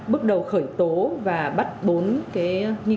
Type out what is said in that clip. bước đầu khởi tố và bắt giữ các công an việt nam vào nước ngoài